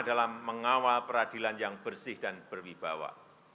dalam mengawal peradilan yang bersih dan berwibawa